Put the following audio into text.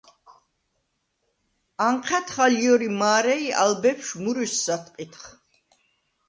ანჴა̈დხ ალ ჲორი მა̄რე ი ალ ბეფშვ მურვისს ათყიდხ.